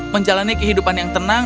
menjalani kehidupan yang tenang